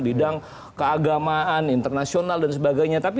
bidang keagamaan internasional dan sebagainya